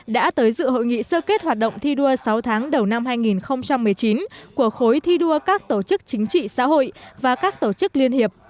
đã tới dự hội nghị sơ kết hoạt động thi đua sáu tháng đầu năm hai nghìn một mươi chín của khối thi đua các tổ chức chính trị xã hội và các tổ chức liên hiệp